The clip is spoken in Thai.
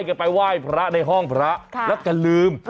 อย่าไปว่ายพระในห้องพระแล้วก็ลืม